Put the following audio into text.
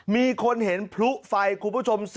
มีคนเห็นพลุไฟคุณผู้ชม